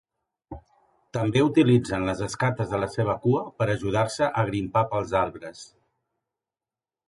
També utilitzen les escates de la seva cua per ajudar-se a grimpar pels arbres.